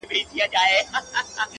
رسېدلى وو يو دم بلي دنيا ته!.